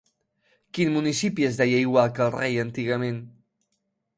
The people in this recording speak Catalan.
Quin municipi es deia igual que el rei antigament?